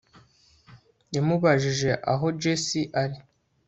Yamubajije aho Jessie ari